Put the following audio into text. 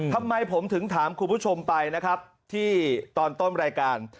ทำไมผมถึงถามคุณผู้ชมไปนะครับที่ตอนต้นรายการ